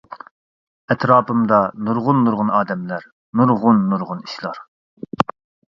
ئەتراپىمدا نۇرغۇن نۇرغۇن ئادەملەر. نۇرغۇن نۇرغۇن ئىشلار.